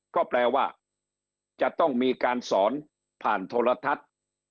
ก็แปลว่าจะต้องมีการสอนผ่านโทรทัศน์